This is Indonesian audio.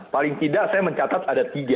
paling tidak saya mencatat ada tiga